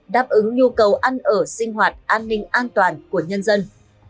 đáp ứng nhu cầu ăn ở sinh hoạt an ninh an toàn của nhân dân